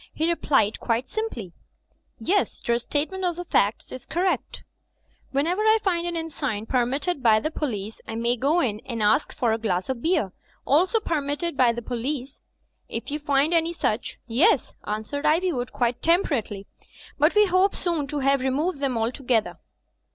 He replied quite simply, "Yes, Your statement of the facts is correct." "Whenever I find an inn sign permitted by the po lice, I may go in and ask for a glass of beer — ^also per mitted by the police." "If you find any such, yes," answered Ivywood, quite temperately. "But we hope soon to have re moved them altogether."